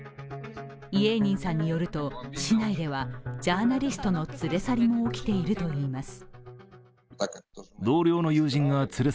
イエーニンさんによると市内では、ジャーナリストの連れ去りも起きているといいます。